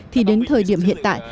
thì đến thời điểm hiện tại